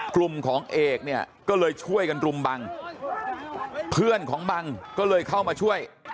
กลุ่มของเอกเนี่ยก็เลยช่วยกันรุมบังเพื่อนของบังก็เลยเข้ามาช่วย